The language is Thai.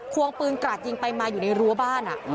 วงปืนกราดยิงไปมาอยู่ในรั้วบ้าน